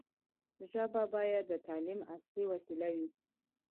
ژبه باید د تعلیم اصلي وسیله وي.